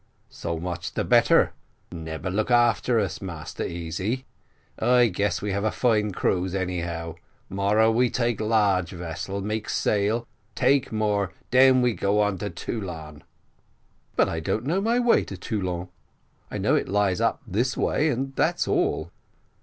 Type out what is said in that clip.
"So much the better, nebba look after us, Massa Easy; I guess we have a fine cruise anyhow. Morrow we take large vessel make sail, take more, den we go to Toulon." "But I don't know my way to Toulon; I know it lies up this way, and that's all."